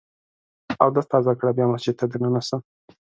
اودس تازه کړه ، بیا مسجد ته دننه سه!